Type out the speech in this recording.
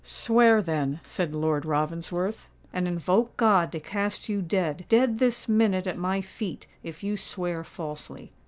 "Swear, then," said Lord Ravensworth; "and invoke God to cast you dead—dead this minute at my feet—if you swear falsely."